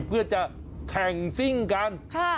เพื่อจะแข่งซิ่งกัน